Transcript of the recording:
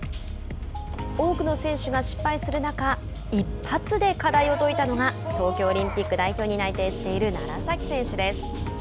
多くの選手が失敗する中一発で課題を解いたのが東京オリンピック代表に内定している楢崎選手です。